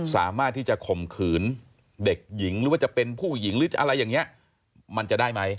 สามารถที่จะข่มขืนเด็กหญิงหรือว่าจะเป็นผู้หญิงหรืออะไรอย่างนี้มันจะได้ไหม